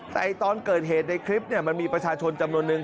แต่ตอนเกิดเหตุในคลิปมันมีประชาชนจำนวนนึง